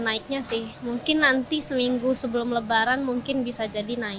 naiknya sih mungkin nanti seminggu sebelum lebaran mungkin bisa jadi naik